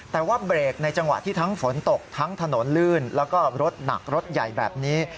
แต่ว่าเบรกในจังหวะที่ทั้งฝนตกทั้งถนนลื่นแล้วก็รถหนักรถใหญ่แบบนี้